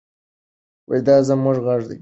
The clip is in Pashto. دا زموږ غږ دی.